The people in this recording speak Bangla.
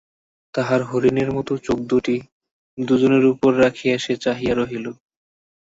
তাহার হরিণের মতো চোখদুটি দুজনের উপর রাখিয়া সে চাহিয়া রহিল।